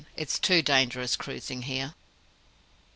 It's too dangerous cruising here."